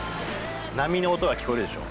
波の音が聞こえるでしょ。